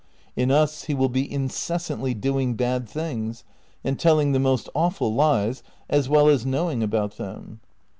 In us he will be incessantly doing bad things, and telling the most awful lies as well as knowing about them.